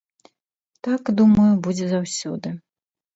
Так, думаю, будзе заўсёды.